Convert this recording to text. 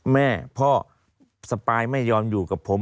แม่พ่อสปายไม่ยอมอยู่กับผม